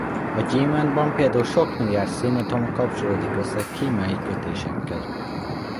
A gyémántban például sok milliárd szénatom kapcsolódik össze kémiai kötésekkel.